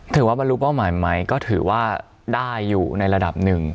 ถือว่าบรรลุเป้าหมายไหมก็ถือว่าได้อยู่ในระดับหนึ่ง